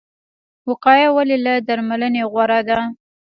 وقایه ولې له درملنې غوره ده؟